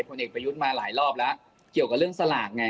พอเด็กไปยุดมาหลายรอบแล้วเกี่ยวกับเรื่องสลากไง